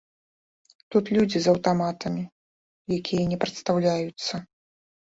Тут людзі з аўтаматамі, якія не прадстаўляюцца.